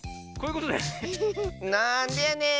なんでやねん！